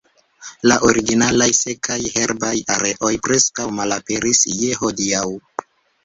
La originalaj sekaj, herbaj areoj preskaŭ malaperis je hodiaŭ.